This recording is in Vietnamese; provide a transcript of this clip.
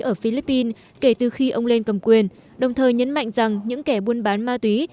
ở philippines kể từ khi ông lên cầm quyền đồng thời nhấn mạnh rằng những kẻ buôn bán ma túy